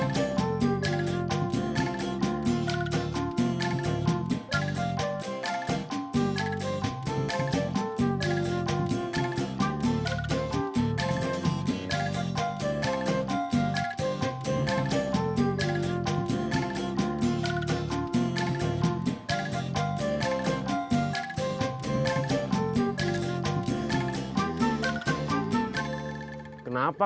tapi betulkan dirinya berhenti